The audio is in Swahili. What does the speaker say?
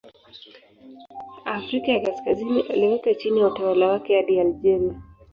Afrika ya Kaskazini aliweka chini ya utawala wake hadi Algeria.